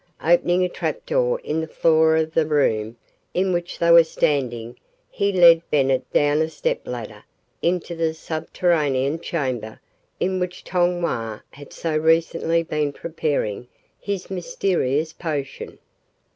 Opening a trap door in the floor of the room in which they were standing, he led Bennett down a step ladder into the subterranean chamber in which Tong Wah had so recently been preparing his mysterious potion.